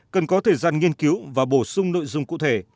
cần có thời gian nghiên cứu và bổ sung nội dung cụ thể